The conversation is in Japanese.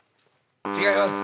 違います。